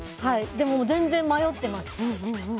でも全然迷ってます。